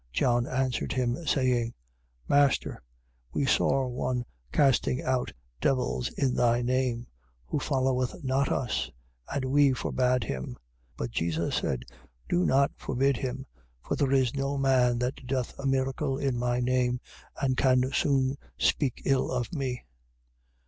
9:37. John answered him, saying: Master, we saw one casting out devils in thy name, who followeth not us: and we forbade him. 9:38. But Jesus said: Do not forbid him. For there is no man that doth a miracle in my name and can soon speak ill of me.